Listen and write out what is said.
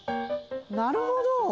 なるほど。